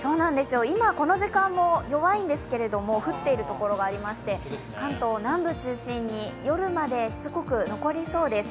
今、この時間も弱いんですけど降っている所がありまして関東南部中心に夜まで、しつこく残りそうです。